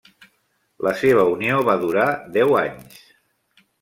La seva unió va durar deu anys.